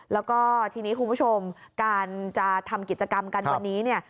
แล้วก็ทีนี้คุณผู้ชมการจะทำกิจกรรมกันวันนี้เนี่ย